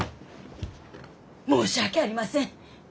申し訳ありません。